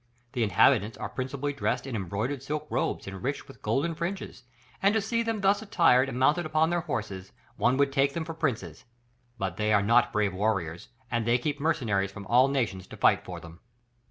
The inhabitants are principally dressed in embroidered silk robes enriched with golden fringes, and to see them thus attired and mounted upon their horses, one would take them for princes, but they are not brave warriors, and they keep mercenaries from all nations to fight for them.